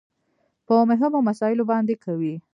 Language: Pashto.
په مهمو مسايلو باندې کوي .